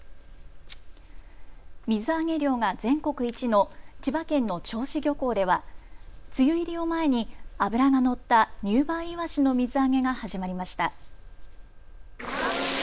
水揚げ量が全国一の千葉県の銚子漁港では梅雨入りを前に脂がのった入梅いわしの水揚げが始まりました。